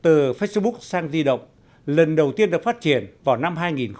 từ facebook sang di động lần đầu tiên được phát triển vào năm hai nghìn